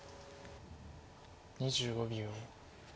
２５秒。